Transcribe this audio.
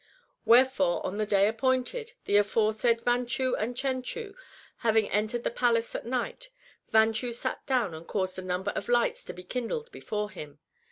Wherefore, on the day appointed, the aforesaid Vanchu and Chenchu having entered the palace at night, Vanchu sat down and caused a number of lights to be kindled before him.